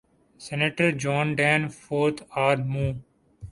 senator John Danforth R مو